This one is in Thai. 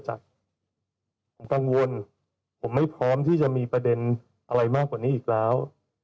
ผมกังวลผมไม่พร้อมที่จะมีประเด็นอะไรมากกว่านี้อีกแล้ว